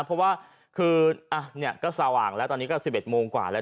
เพราะว่าคืออ่ะเนี้ยก็สว่างแล้วตอนนี้ก็สิบเอ็ดโมงกว่าแล้ว